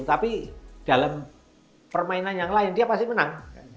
tapi dalam permainan yang lain dia pasti menang